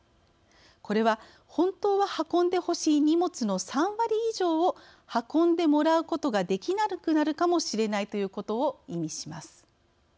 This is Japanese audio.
これは本当は運んでほしい荷物の３割以上を、運んでもらうことができなくなるかもしれないということを意味します。